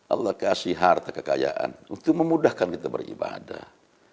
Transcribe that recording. allah kasih harta kekayaan untuk memudahkan kita beribadah